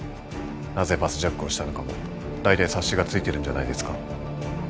なぜバスジャックをしたのかもだいたい察しがついてるんじゃないですか？